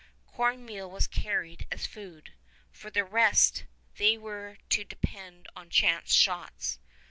Corn meal was carried as food. For the rest, they were to depend on chance shots.